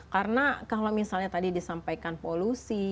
karena kalau misalnya tadi disampaikan polusi